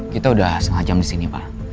kita udah setengah jam disini pak